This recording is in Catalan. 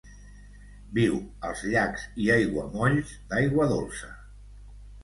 Viu als llacs i aiguamolls d'aigua dolça.